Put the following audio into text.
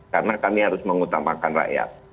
karena kami harus mengutamakan rakyat